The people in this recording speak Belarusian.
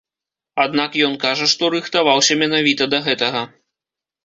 Аднак ён кажа, што рыхтаваўся менавіта да гэтага.